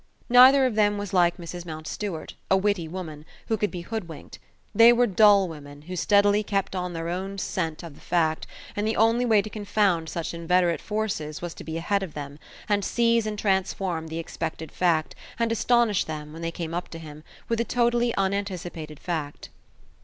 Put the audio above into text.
Neither of them was like Mrs. Mountstuart, a witty woman, who could be hoodwinked; they were dull women, who steadily kept on their own scent of the fact, and the only way to confound such inveterate forces was to be ahead of them, and seize and transform the expected fact, and astonish them, when they came up to him, with a totally unanticipated fact.